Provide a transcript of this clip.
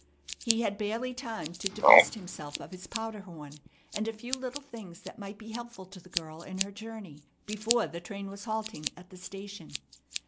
He had barely time to divest himself of his powder horn, and a few little things that might be helpful to the girl in her journey, before the train was halting at the station.